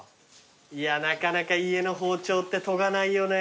いやなかなか家の包丁って研がないよね。